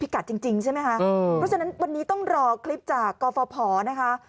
กัดจริงใช่ไหมคะเพราะฉะนั้นวันนี้ต้องรอคลิปจากกฟภนะคะ